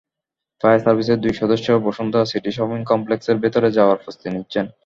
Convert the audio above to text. Fire সার্ভিসের দুই সদস্য বসুন্ধরা সিটি শপিং কমপ্লেক্সের ভেতরে যাওয়ার প্রস্তুতি নিচ্ছেন।